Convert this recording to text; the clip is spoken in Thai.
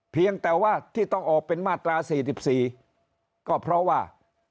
เพียงแต่ว่าที่ต้องออกเป็นมาตรา๔๔ก็เพราะว่า